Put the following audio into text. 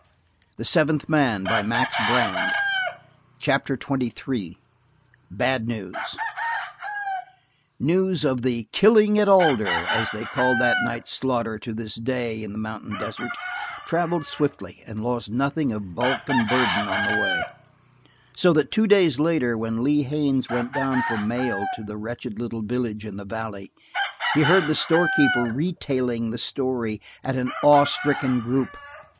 The fifth man had died for Grey Molly. Chapter XXIII. Bad News News of the Killing at Alder, as they call that night's slaughter to this day in the mountain desert, traveled swiftly, and lost nothing of bulk and burden on the way; so that two days later, when Lee Haines went down for mail to the wretched little village in the valley, he heard the store keeper retailing the story to an awe stricken group.